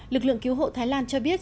lực lượng cứu hộ thái lan cho biết